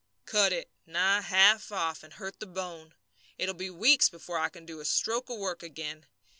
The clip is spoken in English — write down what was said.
"Cut it nigh half off, and hurt the bone. It'll be weeks before I can do a stroke of work again.